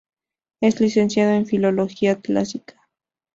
Es licenciado en filología clásica.